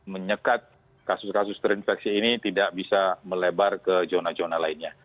menyekat kasus kasus terinfeksi ini tidak bisa melebar ke zona zona lainnya